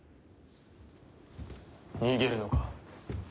逃げるのか。